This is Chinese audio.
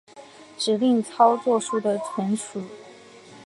指令操作数的存储